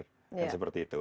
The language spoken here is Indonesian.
dan seperti itu